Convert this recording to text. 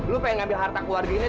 lu pengen ngambil harta keluarga ini